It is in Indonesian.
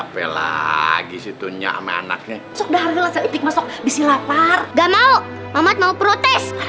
lalu kita cek satu persatu